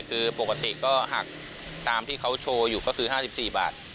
คือปกติก็หักตามที่เขาโชว์อยู่ก็คือ๕๔บาท